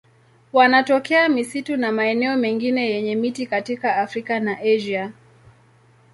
Wanatokea misitu na maeneo mengine yenye miti katika Afrika na Asia.